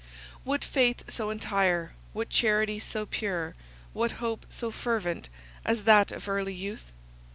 What faith so entire, what charity so pure, what hope so fervent, as that of early youth?